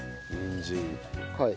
はい。